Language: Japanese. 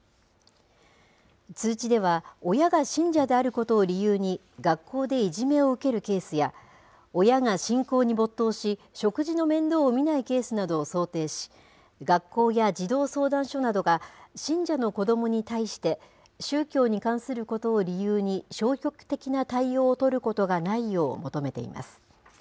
通知では、親が信者であることを理由に、学校でいじめを受けるケースや、親が信仰に没頭し、食事の面倒を見ないケースなどを想定し、学校や児童相談所などが、信者の子どもに対して、宗教に関することを理由に、消極的な対応を取ることがないよう求めています。